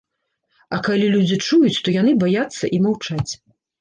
А калі людзі чуюць, то яны баяцца і маўчаць.